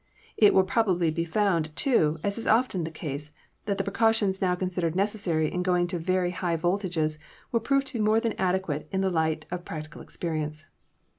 It will probably be found, too, as is often the case, that the precautions now considered necessary in going to very high voltages will prove to be more than adequate in the light of practical experience.